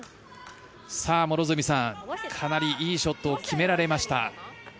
両角さん、かなりいいショットを決められました。